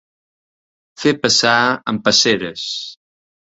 Fer passar amb passeres.